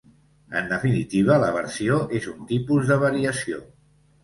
En definitiva, la versió és un tipus de variació.